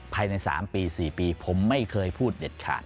ภายใน๓ปี๔ปีผมไม่เคยพูดเด็ดขาด